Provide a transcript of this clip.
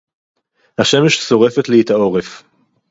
השמש שורפת לי את העורף.